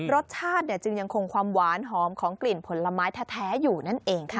รสชาติจึงยังคงความหวานหอมของกลิ่นผลไม้แท้อยู่นั่นเองค่ะ